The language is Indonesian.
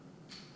itu persoalan ya